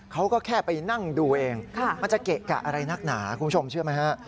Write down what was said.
เขาก็แค่ไปนั่งดูเองมันจะเกะกะอะไรนักหนาคุณผู้ชมเชื่อไหมฮะ